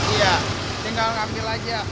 iya tinggal ambil aja